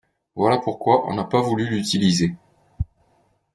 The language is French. Voilà pourquoi on n'a pas voulu l'utiliser.